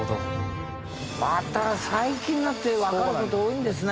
また最近になってわかる事多いんですね。